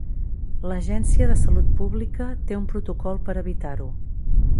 L'Agència de Salut Pública té un protocol per evitar-ho.